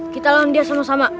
kita lawan dia sama sama